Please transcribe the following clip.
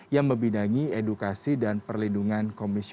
yang membidangi edukasi dan pertolongan